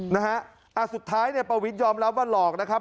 นะฮะอ่าสุดท้ายเนี่ยประวิทยอมรับว่าหลอกนะครับ